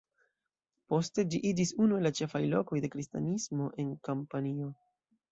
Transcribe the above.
Poste ĝi iĝis unu el la ĉefaj lokoj de Kristanismo en Kampanio.